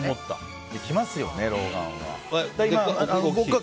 きますよね、老眼は。